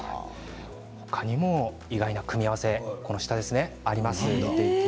他にも意外な組み合わせがあります。